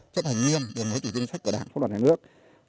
chấp hành nguyên đường lối chính sách của đảng pháp luật nhà nước